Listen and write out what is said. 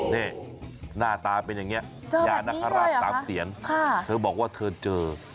นี่หน้าตาเป็นอย่างนี้ยานคราช๓เสียนเธอบอกว่าเธอเจอ